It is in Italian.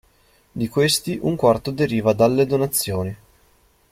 Di questi un quarto deriva dalle donazioni.